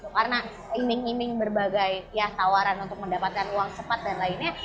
karena iming iming berbagai ya tawaran untuk mendapatkan uang cepat dan lain lain